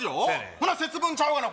ほな節分ちゃうがな